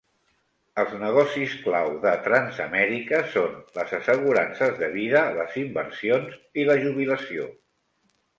Els negocis clau de Transamerica són les assegurances de vida, les inversions i la jubilació.